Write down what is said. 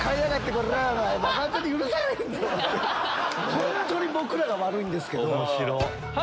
本当に僕らが悪いんですけど。